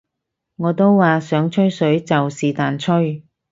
我都話想吹水就是但吹